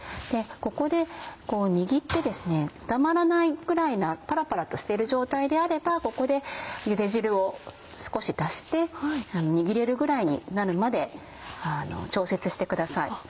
ここでこう握ってですね固まらないぐらいなパラパラとしてる状態であればここでゆで汁を少し足して握れるぐらいになるまで調節してください。